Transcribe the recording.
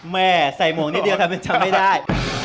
แม่ใส่หมวกนิดเดียวแต่จำไม่ได้